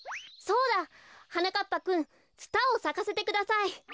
そうだ！はなかっぱくんツタをさかせてください。